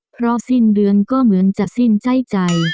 เพราะสิ้นเดือนก็เหมือนจะสิ้นใจใจ